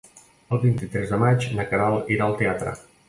El vint-i-tres de maig na Queralt irà al teatre.